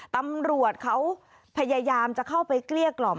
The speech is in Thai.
ตำรวจเขาพยายามจะเข้าไปเกลี้ยกล่อม